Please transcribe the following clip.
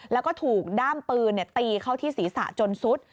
แล้วก็ถูกด้ามปืนตีเข้าที่ศีรษะจนซุด